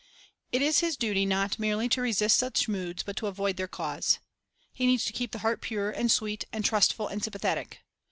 It is his duty not merely to resist such moods but to avoid their cause. He needs to keep the heart pure and sw~et and trustful and sympathetic.